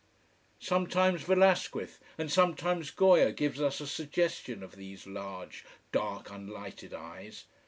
Sometimes Velasquez, and sometimes Goya gives us a suggestion of these large, dark, unlighted eyes.